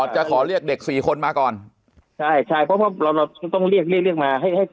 จะขอเรียกเด็ก๔คนมาก่อนใช่เพราะว่าเราต้องเรียกมา